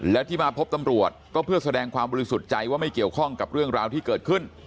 แล้วที่มาพบตำรวจก็เพื่อแสดงความบริสุทธิ์ใจว่าไม่เกี่ยวข้องกับเรื่องราวที่เกิดขึ้น